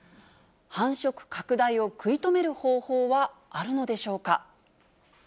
繁殖拡大を食い止める方法はあるのでしょうか。